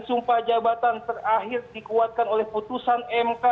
sumpah jabatan terakhir dikuatkan oleh putusan mk